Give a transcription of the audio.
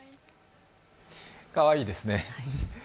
かわいいですね。